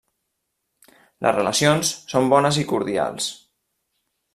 Les relacions són bones i cordials.